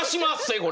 これ。